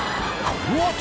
このあと。